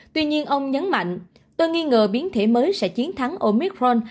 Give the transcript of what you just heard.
tuy nhiên ông nhấn mạnh tôi nghi ngờ biến thể mới sẽ chiến thắng omithfron